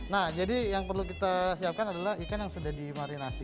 nah jadi yang perlu kita siapkan adalah ikan yang sudah dimarinasi